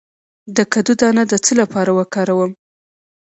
د کدو دانه د څه لپاره وکاروم؟